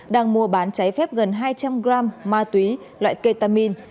đang mua bán trái phép gần hai trăm linh gram ma túy loại ketamin